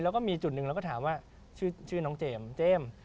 แล้วก็มีจุดหนึ่งเราก็ถามว่าชื่อน้องเจมส์เจมส์